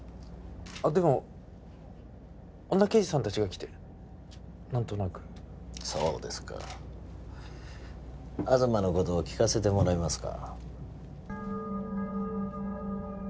でも女刑事さん達が来て何となくそうですか東のこと聞かせてもらえますか？